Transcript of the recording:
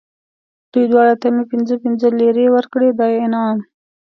دوی دواړو ته مې پنځه پنځه لېرې ورکړې، دا یې انعام و.